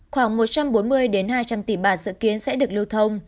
khoảng một trăm bốn mươi hai trăm linh tỷ bạt dự kiến sẽ được lưu thông